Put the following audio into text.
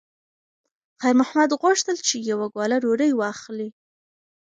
خیر محمد غوښتل چې یوه ګوله ډوډۍ واخلي.